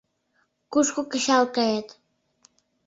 Кушко кычал кает?